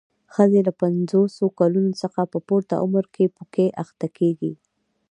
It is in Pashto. ښځې له پنځوسو کلونو څخه په پورته عمر کې پوکي اخته کېږي.